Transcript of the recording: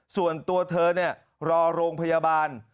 ส่วนตัวเธอรอโรงพยาบาล